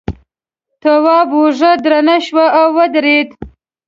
تواب اوږه درنه شوه او ودرېد.